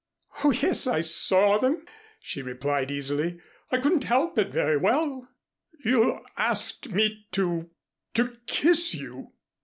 "Oh, yes, I saw them," she replied easily. "I couldn't help it very well." "You asked me to to kiss you!"